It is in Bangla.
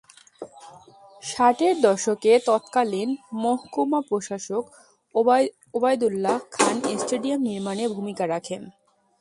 ষাটের দশকে তৎকালীন মহকুমা প্রশাসক ওবায়দুল্লাহ খান স্টেডিয়াম নির্মাণে ভূমিকা রাখেন।